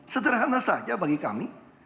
sederhana saja bagi kami